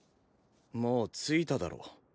もうついただろ。